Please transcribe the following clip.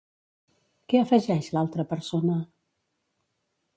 Què afegeix l'altra persona?